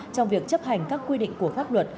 trong việc chấp hành các quy định của pháp luật